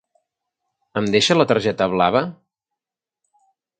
Em deixa la targeta blava?